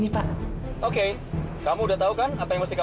keep osmorops karena padahal wahusnya sudah selesai kali